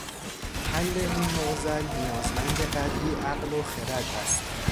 حل این معضل نیازمند قدری عقل و خرد است